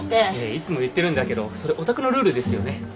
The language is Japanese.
いつも言ってるんだけどそれおたくのルールですよね？